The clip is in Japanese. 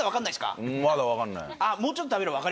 まだ分かんないですか？